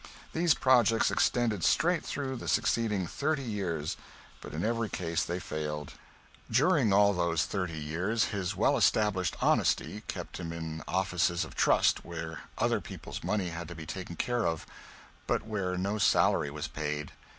These projects extended straight through the succeeding thirty years, but in every case they failed. During all those thirty years his well established honesty kept him in offices of trust where other people's money had to be taken care of, but where no salary was paid.